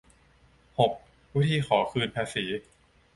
หก วิธี ขอคืนภาษี